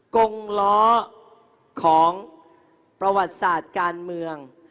กงล้อของประวัติศาสตร์การเมือง